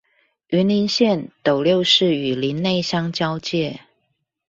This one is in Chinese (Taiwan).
雲林縣斗六市與林內鄉交界